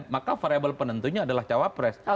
maka variable penentunya adalah cawapres